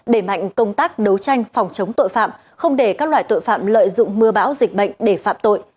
đẩy mạnh công tác đấu tranh phòng chống tội phạm không để các loại tội phạm lợi dụng mưa bão dịch bệnh để phạm tội